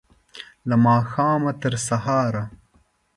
له ماښامه، تر سهاره